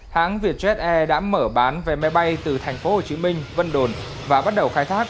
hãng vietjet air đã mở bán vé máy bay từ thành phố hồ chí minh vân đồn và bắt đầu khai thác